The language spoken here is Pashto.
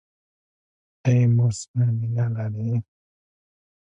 ته يې مو سره مينه لرې؟